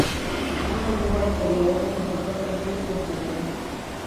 دوی هم غواړي تر یوه حده همدغه میتود وکاروي.